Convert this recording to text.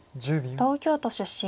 東京都出身。